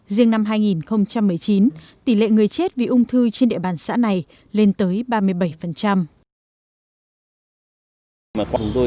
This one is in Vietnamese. riêng năm hai nghìn một mươi chín tỷ lệ người chết vì ung thư trên địa bàn xã này lên tới ba mươi bảy